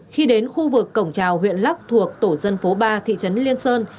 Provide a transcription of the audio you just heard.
khi đến khu vực cổng trào huyện lắc thuộc tổ dân phố ba thị trấn liên sơn